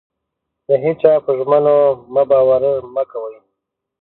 د هيچا په ژمنو مه باور مه کوئ.